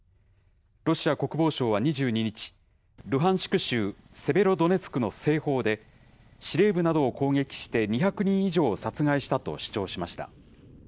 ロシア国防省は２２日、ルハンシク州セベロドネツクの西方で、司令部などを攻撃して２００人以上を殺害したと主張しました。